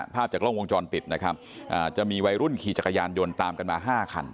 ภาพจากกล้องวงจรปิดนะครับจะมีวัยรุ่นขี่จักรยานยนต์ตามกันมา๕คัน